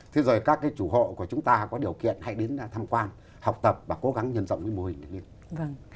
thế rồi các chủ hộ của chúng ta có điều kiện hãy đến thăm quan học tập và cố gắng nhân dọng mô hình